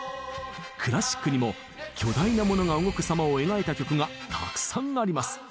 クラシックにも巨大なモノが動くさまを描いた曲がたくさんあります。